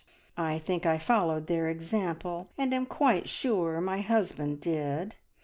I think I followed their example, and I am quite sure my husband did.